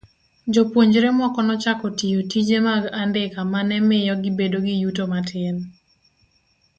Jopuonjre moko nochako tiyo tije mag andika ma ne miyo gibedo gi yuto matin.